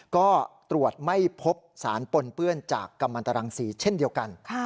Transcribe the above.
ก็ตรวจไม่พบสารปนเปื้อนจากกำมันตรังสีเช่นเดียวกัน